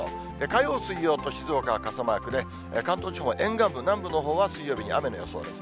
火曜、水曜と静岡は傘マークで、関東地方は沿岸部のほう水曜日に雨の予報です。